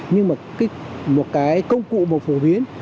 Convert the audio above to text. nhưng mà một cái công cụ mà phổ biến